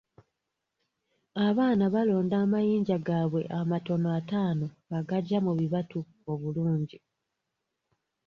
Abaana balonda amayinja gaabwe amatono ataano agagya mu bibatu obulungi.